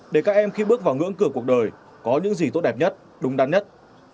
để các em khi bước vào ngưỡng cửa cuộc đời có những gì tốt đẹp nhất đúng đắn nhất